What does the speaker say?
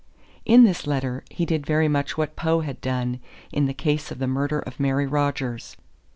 In this letter he did very much what Poe had done in the case of the murder of Mary Rogers.